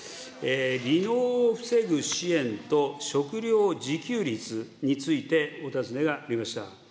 離農を防ぐ支援と、食料自給率についてお尋ねがありました。